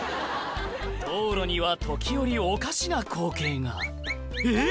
道路には時折おかしな光景がえっ